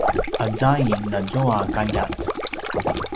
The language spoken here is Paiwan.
a zaing nazua kaljat